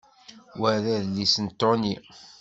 Wa d adlis n Tony.